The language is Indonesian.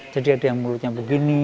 jadi ada yang mulutnya begini